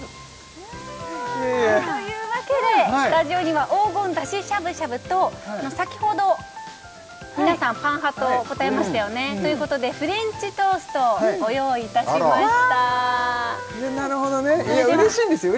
いやいやというわけでスタジオには黄金出汁しゃぶしゃぶと先ほど皆さんパン派と答えましたよねということでフレンチトーストをご用意いたしましたなるほどねいや嬉しいんですよ